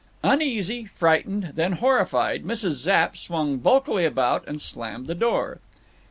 Uneasy, frightened, then horrified, Mrs. Zapp swung bulkily about and slammed the door.